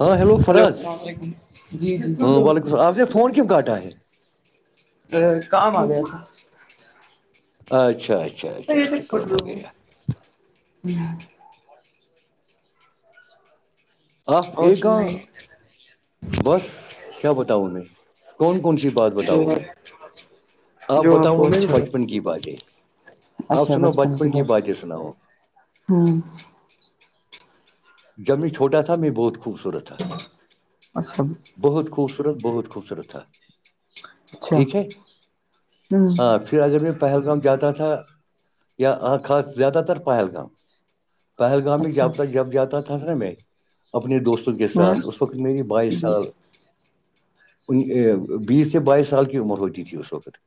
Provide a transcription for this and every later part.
ہاں hello hello Faraz اللام عیک جی جی ہاں وعلیکم السلام آپ نے فون کیوں کاٹا ہے پھر کام آ گیا تھا اچھا اچھا اچھا اچھاا گ جی آپ اور کے کہاں سناائیے بس کیا بتاؤ میں کون کون سی بات جو بتاؤ میں آپ آپ جو بتاؤں کو میں بھی اچھا لگے بچپن کی باتیں آپ اچھا سناو بچپن کی باتیں سناؤ ہاں جب میں چھوٹا تھا میں بہت خوبصورت تھا اچھا بہت خوبصورت بہت خوبصورت تھا اچھا ٹھیک ہے ہوں ہاں پھر پھر اگر میں پہلگام جاتا تھا یا خاص زیادہ تر پہلگام پہلگام میں اچھا جب تک جب جاتا تھا نا میں اپنے دوستوں کے ہاں ساتھ اس وقت میری بائیس جی سال ان بیس سے بائیس سال کی عمر ہوتی تھی اس وقت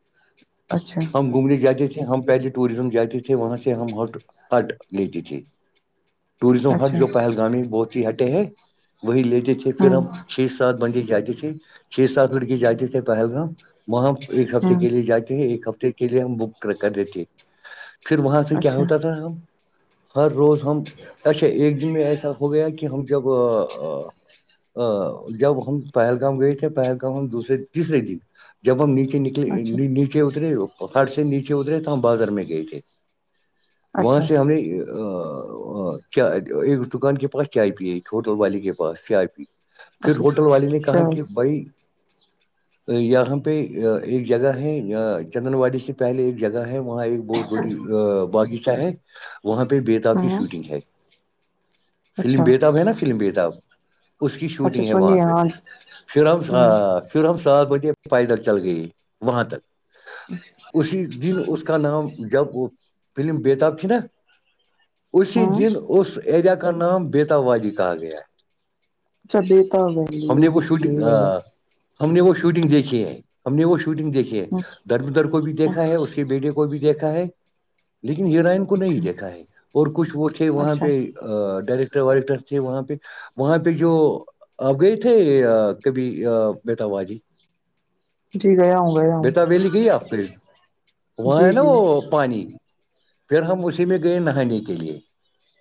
اچھا ہم گھومنے جاتے تھے ہم پہلے ٹوریزم جاتے تھے وہاں سے ہم ہٹ ہٹ لیتے تھھی ٹوریزم ہٹ اچھا جو گام بہت ہی ہٹے ہیں وہی لیتے تھے پھر ہوں ہم چھ سات بندے جاتے تھے چھ سات لڑکے جاتے تھے پہلگام وہاں ایک ہفتے ہوں کے لیے جاتے تھ ایک ہفتے کے لیے ہم بک کر دیتے پھر وہاں سے کیا اچھا ہوتا تھا ہم ہر روز ہم اچھا ایک دن میں ایسا ہو گیا کہ ہم جب ا جب ہم پہلگام گئے تھے پہلگام ہم دوسرے تیسرے دن جب ہم نیچے نکلے اچھا نیچے اترے ہر سے نیچے اترے تو ہم بازر میں گئے تھے وہاں اچھا سے ہم نے کیا ایک دکان کے پاس چ آئی پی ایک ہوٹل والے کے پاس چ آئی پی پھر اچھا ہوٹل والے نے کہا چل کہ بھائی یہاں پہ ایک جگہ ہے چندن واڑی سے پہلے ایک جگہ ہے وہاں ایک بہت ی باغیچہ ہے وہاں پہ بیےتاب کی ہاں شوٹنگ ہے فلم اچھا بےتاب ہے نا فلم بےتاب اس کی اچھا شوٹنگ ہے وہاں سنیے پہ آج پھر ہم ہوں پھر ہم سات بجے پیدل چل گئے وہاں تک اسی دن اس کا نام جب وہ فلم بیےتاب تھی نا اسی ہوں دن اس ایریا کا نام بیتا وادی کہا گیا چبے ت ولی ہم نے ہو وہ کہ شوٹنگ آ، ہم نے وہ شوٹنگ دیکھی ہے ہم نے وہ شوٹنگ دیکھی ہے درب در کو بھی دیکھا ہے اس کے بیٹے کو بھی دیکھا ہے لیکن ہیرائن کو نہیں اچھا دیکھا ہے اور کچھ وہ تھے وہاں اچھا پہ ڈائریکٹر وائریکٹر تھے وہاں پہ وہاں پہ جو آپ گئے تھے کبھی متاباجی جی گیا ہوں گیا ہوں بیتا ویلی کہ ہی آپ کے جی وہاں ہے نا جی وہ پانی پھر ہم اسی میں گئے نہانے کے لیے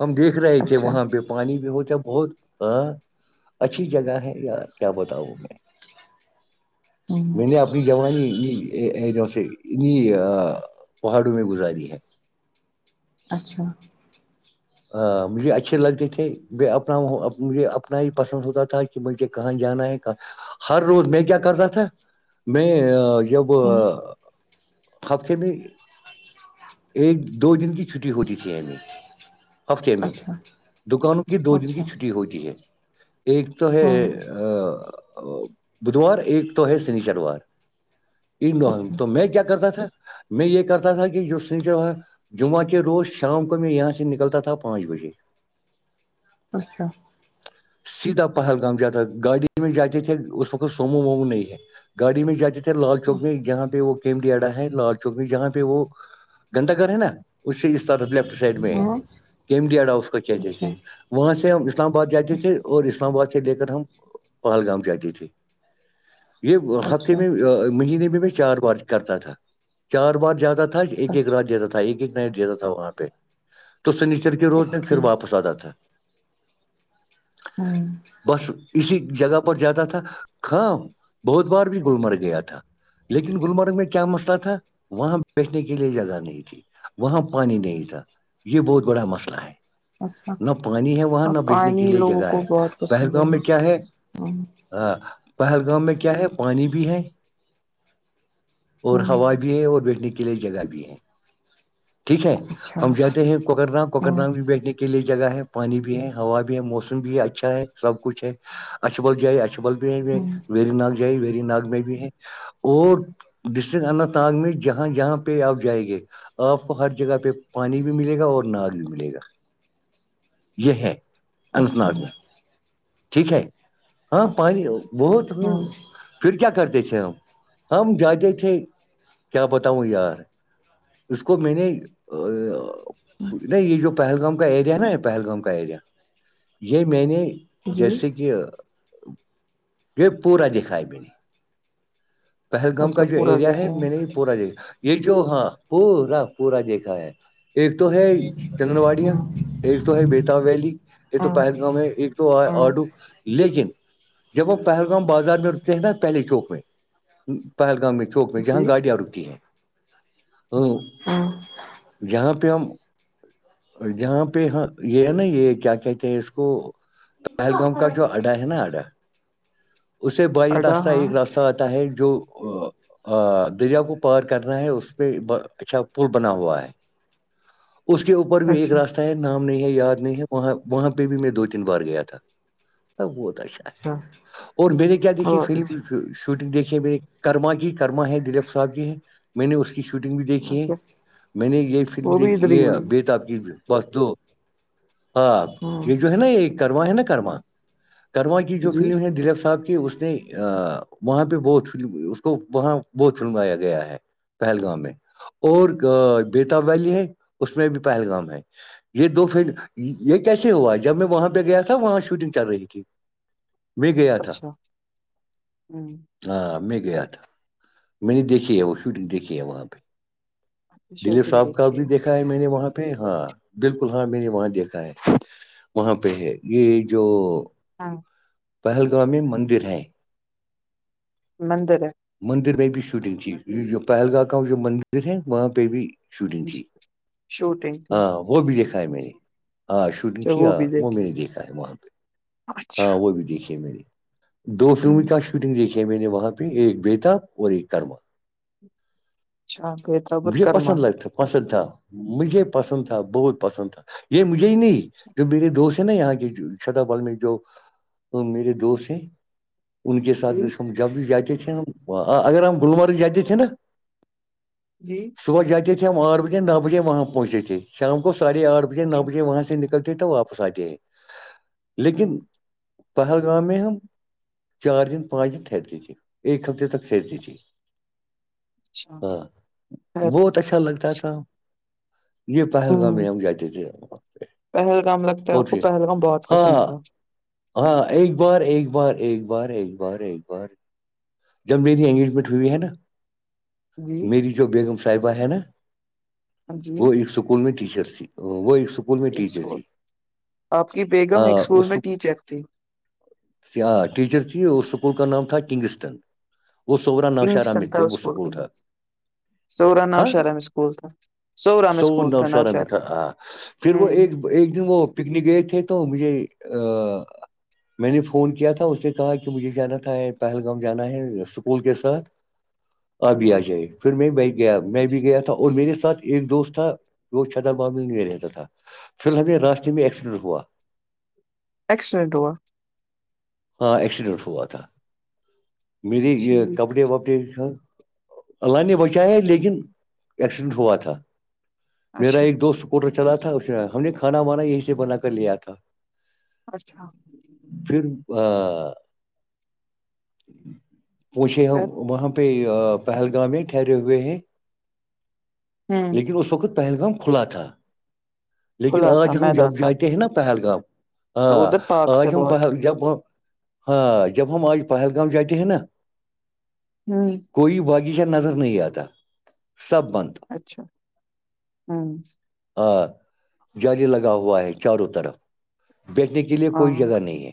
ہم دیکھ رہے تھے اچھا وہاں پہ پانی بھی ہوتا ہے بہت ہ اچھی جگہ ہے یا کیا بتاؤ میں ہوں میں نے اپنی جوانی پہاڑوں میں گزاری ہے اچھا مجھے اچھے لگتے تھے میں اپنا مجھے اپنا ہی پسند ہوتا تھا کہ مجھے کہاں جانا ہے کہاں ہر روز میں کیا کرتا تھا میں جب ہوں ہفتے میں ایک دو دن کی چھٹی ہوتی تھی ایں ہفتے میں اچھا دکانوں کی دو دن اچھا کی چھٹی ہوتی ہے ایک تو ہے ہاں بدوار ایک تو ہے سنی شروار ان اچھا تو میں کیا کرتا تھا میں یہ کرتا تھا کہ جو جمعہ کے روز شام کو میں یہاں سے نکلتا تھا س پانچ بجے اچھا سیدھا پہلگام جاتا تھا گاڑی میں جاتے تھے اس وقت سومو وومو نہیں ہے گاڑی میں جاتے تھے لال چوک میں جہاں پہ وہ کیمڈیاڈا ہے لال چوک میں جہاں پہ وہ گندا گھر ہے نا اس سے اس طرف لیفٹ سائڈ میں ہے ہاں کیمڈیڈاؤ اس کا کہتے اچھا تھے وہاں سے ہم اسلام آباد جاتے تھے اور اسلام آباد سے لے کر ہم پہلگام ججی تے یہ ہفتے اچھا میں مہینے میں میں چار بار کرتا تھا چار بار جاتدا تھا ایک ایک اچھا رات جاتا تھا ایک ایک نائٹ جا تھا وہاں پہ تو سنشچ چل کے روزنے اوکے پھر واپس آ جاتا ہاں بس اسی جگہ پر جاتا تھا کاں بہت بار بھی گللمرگ گیا تھا لیکن گللمرگ میں کیا مسئلہ تھا وہاں بیٹھنے کے لیے جگہ نہیں تھی وہاں پانی نہیں تھا یہ بہت بڑا مسئلہ ہے اچھا نہ پانی ہے وہ وہاں اور نہ بیچنے کے پانی لیے لوگوں جگہ کو ہے بہت پسند پہلگام میں کیا ہے ہوں ہ پہلگام میں کیا ہے پانی بھی ہے اور ہوں ہوا بھی ہیں اور بیٹھنے کے لئے جگہ بھی ہیں ٹھیک ہے اچھا ہم جاتے ہیں کوکر نام کوکر ہوں نام بھی بیٹھنے کے لیے جگہ ہے پانی بھی ہے ہوا بھی ہے موسم بھی ہے اچھا ہے سب کچھ ہے اچبل جائی اچبل بھی ہے ہوں ویری نگ جائی ویری نگ میں بھی ہے اور ڈسٹرک اننت ناگ میں جہاں جہاں پہ آپ جائیں گے آپ ہر جگہ پہ پانی بھی ملے گا اور ناگ بھی ملے گا یہ ہے اننت اچھا ناگ میں ٹھیک ہے ہاں پانی اچھا بہت ہ ہوں پھر کیا کرتے تھے ہم ہم جاتے تھے کیا بتاؤں یار اس کو میں نے نہیں یہ جو پہلگام کا ایریا نا یہ پہلگام کا ایریا یہ میں نے جی جیسے کہ یہ پورا دکھ ہے میں نے پہلگام کا اچھا جو پورا ایریا ہے دیکھیں میں نے یہ ہوں پورا دیکھا یہ جو ہاں پورا پورا دیکھا ہے ایک تو ہے چگن واڑیاں ایک تو ہے بیتاب ویلی یہ تو ہاں پہلگام ہے ایک تو ہاں آڈو لیکن جب ہم پہلگام بازار میں اتے ہیں نا پہلے چوک میں پہلگام کے چوک میں جہاں جی گاڑیاں رک ہیں ہ ہاں جہاں پہ ہم جہاں پہ ہاں یہ ہے نا یہ کیا کہتے ہیں اس کو پہلگام کا جو اڈا ہے نا اڈا اسے بائی اڈا راستہ ہاں ایک راستہ ہے جو دریا کو پار کرنا ہے اس پہ اچھا پل بنا ہوا ہے اس کے اوپر بھی ایک اچھا راستہ ہے نام نہیں ہے یاد نہیں ہے وہاں وہاں پہ بھی میں دو تین بار گیا تھا اب بہت اچھا ہے اور میر نے کیا دیکھیے ف بہت اچھا شوٹنگ دیکھیے میرے کرما کی کرما ہے دلیپ صاحب ج ہے میں نے اس کے شوٹنگ بھی دیکھی ہے اچھا میں نے یہ فلم وہ بھی دیکھی ادھر ہی یہ ہوئی بے تاب کی ب ہاں یہ جو ہے نا یہ کرما ہے نا کرما کرما کی جو جی فلم ہے دلیپ صاحب کی اس نے ا وہاں پہ بہت اس کو وہاں بہت سنوایا گیا ہے پہلگام ہے اور بیتاب ویلی ہے اس میں بھی پہلگام ہے یہ دو پھر یہ کیسے ہوا جب میں وہاں پہ گیا تھا وہاں سے شوٹنگ چل رہی تھی میں گیا تھا اچھا ہ ہاں میں گیا تھا میں نے دیکھی ہے وہ شوٹنگ دیکھی ہے وہاں پہ دلیپ شوٹنگ صاحب کا بھی دیکھیے دیکھا ہے میں نے وہاں پہ ہاں بالکل ہاں میں نے وہاں دیکھا ہے وہاں پہ ہے یہ جو ہاں پہلگاؤں میں مندر ہیں مندر ہے مندر میں بھی شوٹنگ تھی یہ جو پہل گاہ کا جو مندر ہے وہاں پہ بھی شوٹنگ ہے تھی شوٹنگ ہاں وہ بھی دیکھا ہے میں نے ہاں شوٹنگ کی تھی ہاں بھی وہ میں دیکھیے نے دیکھا ہے وہاں پہ اچھا ہاں وہ بھی دیکھی م نے دو فلم کا شوٹنگ دیکھی میں نے وہاں پہ ایک بیتاب اور ایک کرما اچھا بتابر مجھے کرما پسند لگتا پسند تھا مجھے پسند تھا بہت پسند تھا یہ مجھے ہی نہیں جو میرے دوست نا یہاں کے چھتا بال میں جو میرے دوست ہیں ان کے ساتھ جی جو سمجھ جب جات تھ ہم اگر ہم گلمرگ جاتات تھے نا جی صبح جاتے تھے ہم آھ بجے نو بجے وہاں پہنچے تھے شام کو ساڑھے آھ بجے نو اچھا بجے وہاں سے نکلتے تو وپس فساتے ہیں لیکن پہلگام میں ہم چار دن پانچ دن ٹھہرتے تھے ایک ہفتے جی جی جی اچھا ہاں بہت اچھا لگتا تھا یہ پہلگام میں ہم جاتے تھے وہاں پہ پہلگام لگتا ہے آپ کو پہلگام بہت ہاں پسند تھا ہاں ایک بار ایک بار ایک بار ایک بار ایک بار جب میری انگیجمنٹ ہوئی ہے نا جی میری جو بیگم صاحبہ ہے نا جی وہ ایک اسکول میں ٹیچر تھی وہ ایککول اسکول میں ایک ٹیچر اسکول تھی آپ کی بیگم ایک اسکول اس میں ٹیچر تھی ہ ٹیچر تھی اور اسکول کا نام تھا کنگ اسٹن وہ سوورا نوشہر میں کنگسٹن تھے تھا وہ اسکول سکول کا نام تھا سورا ہاں نوشہرہ میں اسکول تھا سورا میں س اسکول نو تھا شر میں نوشہر تھا آ پھر وہ ہ ایک ایک دن وہ پکنک گئے تھے تو مجھے ا میں نے فون کیا تھا اس نے کہا کہ مجھے جانا تھا پہلگام جانا ہے اسکول کے ساتھ آبھی آ جائی پھر میں ب گیا میں بھی گیا تھا اور میرے ساتھ ایک دوست تھا وہ چھدر معاملے میں میں رہتا تھا فی ال ہمیں راستے میں ایکسیڈنٹ ہوا اکسیڈنٹ ہوا ہاں ایکسیڈنٹ ہوا تھا میری یہ ٹھیک کپڑے وپڑے اللہ نے بچایا لیکن ایکسیڈنٹ ہوا تھا میرا اچھا ایک دوست ٹر چلا تھا اس ہم نے کھانا وانا یہیں سے بنا کر لیا تھا اچھا پھر آ پوچھے ہیں پھر وہاں پہ پہلگام ہے ٹھہرے ہوئے ہیں ہوں لیکن اس وقت پہلگام کھلا تھا لیکن کھلا تھا آج ہم میدان جب تھا جاتے ہیں نا پہلگام تو ہاں ادھر پارک سے آج ہم بہت پہل جب ہم ہاں جب ہم آج پہلگام جاتے ہیں نا ہوں کوئی باغیچہ نظر نہیں آتا سب بند اچھا ہوں ہ جال لگا ہوا ہے چاروں طرف بیٹھنے کے لیے ہاں کوئی جگہ نہیں ہے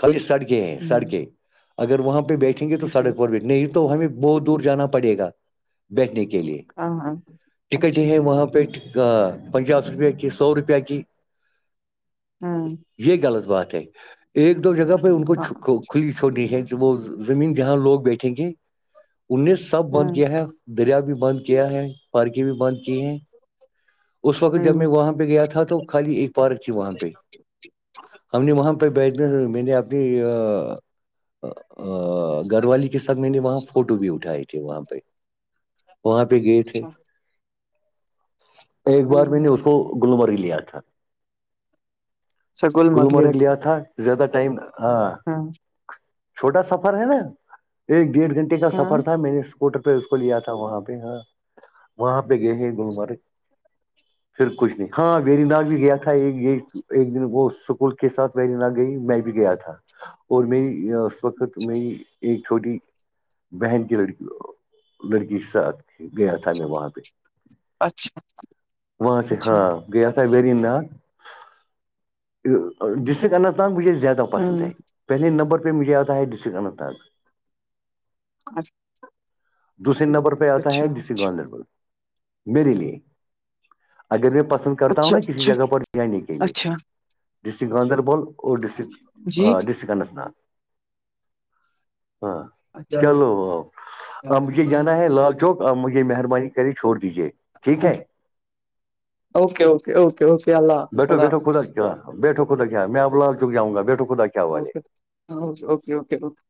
خالی سڑکیں ہیں ہوں سڑکیں اگر وہاں پہ بیٹھیں گے تو جی سڑک پر بیٹھ نہیں تو تو ہمیں بہت دور جانا پڑے گا بیٹھنے کے لیے ہاں ہاں ٹکٹیں اچھا ہیں وہاں پہ پنچاس روپے کی سو روپئے کی ہاں یہ غلط بات ہے ایک دو جگہ پہ ان ہاں کو کھلی چھوڑنیی ہے وہ زمین جہاں لوگ بیٹھیں گے ان نے سب بند ہوں کیا ہے دریا بھی بند کیا ہے پارکیں بھی بند کی ہیں اس وقت جب میں ہوں وہاں پہ گیا تھا تو خالی ایک پارک تھی وہاں پہ ہم نے وہاں پہ بیھنا میں نے اپنی گھر والی کے ساتھ میں نے وہاں فوٹو بھی اٹھائے تھے وہاں پہ وہاں پہ گئے تھے اچھا ایک بار میں ہوں نے اس کو گللمرگ لیا تھا گللمرگ لیا تھا زیادہ ٹائم ہاں ہاں چھوٹا سفر ہے نا ایک ڈیڑھ گھنٹے کا ہاں سفر تھا میں نے پٹل پہ اس کو لیا تھا وہاں پہ ہاں وہاں پہ گئے گلمرگ پھر کچھ نہیں ہاں ویری نگ بھی گیا تھا ایک ایک دن وہ اسکول کے ساتھ ویری نگ گئی میں بھی گیا تھا اور می اس وقت میں ایک چھوٹی بہن کی لڑکی لڑکی کے ساتھ گیا تھا میں اچھا وہاں پہ وہاں سے اچھا ہاں گ تھا وری ناگ ڈسٹرک انننت ناگ بس زیاد پسند ہوں ہے پہلے نمبر پہ مجھے آتا ہے ڈسٹرکٹ اننت ناگ اچھا دوسرے نمبر پہ آتا ہے اچھا ڈسک گاندربل میرے لیے اگر میں پسند کرتا ہوں اچھا نا کسی اچھا جگہ پر جانے کے لیے اچھا تو ڈسٹرک گاندربل اور جی ڈسٹرک ڈسٹرک اننت ناگ ہاں اچھا چلو ب آپ مجھے جانا ہے لال چوک آپ مجھے مہربانی کرے چھوڑ دیجیے ٹھیک ہے اوکے اوکے اوکے اوکے اللہ حافظ بیٹھو اللہ بیٹھو خدا حافظ کیا بیٹھو خدا کیا میں اب لال چک جاؤ گا بیٹو خدا کیا والے ہاںوکےوکےوکے اوکے